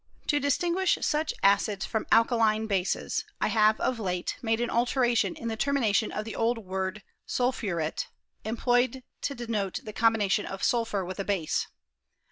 To distinguish such acids from alkaline bases, 1 have of late made an alteration in the termination of the old word sulpkuref, employed to denote the combination of sulphur with a base.